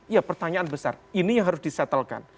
ya pertanyaan besar ini yang harus disettlekan